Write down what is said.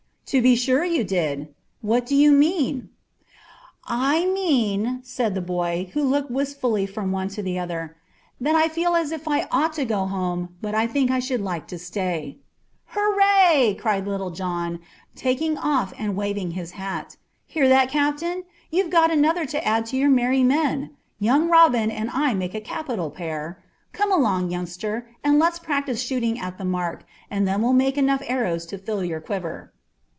"To be sure you did. What do you mean." "I mean," said the boy, looking wistfully from one to the other, "that I feel as if I ought to go home, but I think I should like to stay." "Hurrah!" cried Little John, taking off and waving his hat. "Hear that, captain? You've got another to add to your merry men. Young Robin and I make a capital pair. Come along, youngster, and let's practise shooting at the mark, and then we'll make enough arrows to fill your quiver."